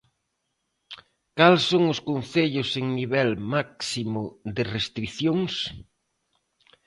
Cal son os concellos en nivel máximo de restricións?